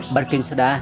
bắc kinh soda